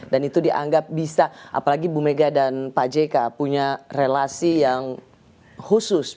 dan itu dianggap bisa apalagi ibu mega dan pak jk punya relasi yang khusus